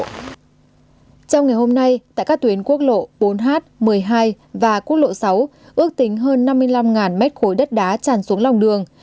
trong ngày hôm nay tại các tuyến quốc lộ bốn h một mươi hai và quốc lộ sáu ước tính hơn năm mươi năm mét khối đất đá tràn xuống lòng đường